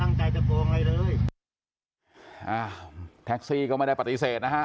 อ้าวแท็กซี่ก็ไม่ได้ปฏิเสธนะฮะ